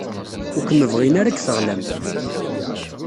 Ur kem-bɣin ara deg teɣlamt.